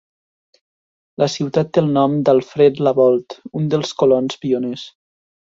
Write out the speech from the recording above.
La ciutat té el nom d'Alfred Labolt, un dels colons pioners.